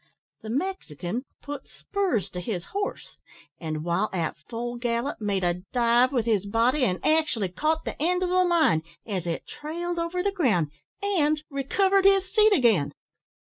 The Mexican put spurs to his horse, an' while at full gallop, made a dive with his body, and actually caught the end o' the line, as it trailed over the ground, and recovered his seat again.